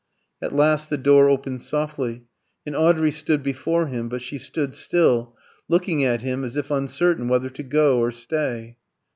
At last the door opened softly, and Audrey stood before him. But she stood still, looking at him as if uncertain whether to go or stay.